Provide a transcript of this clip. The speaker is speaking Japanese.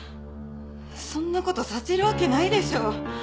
そんな事させるわけないでしょ。